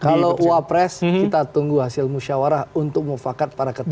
kalau wapres kita tunggu hasil musyawarah untuk mufakat para ketua